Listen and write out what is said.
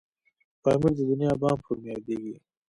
پامير د دنيا بام په نوم یادیږي.